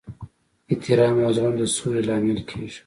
احترام او زغم د سولې لامل کیږي.